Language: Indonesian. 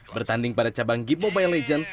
bertanding pada cabang gip mobile legends